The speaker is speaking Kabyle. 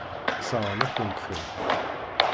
Sseṛɣen-akent-ten.